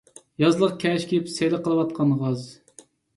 يازلىق كەش كىيىپ سەيلە قىلىۋاتقان غاز.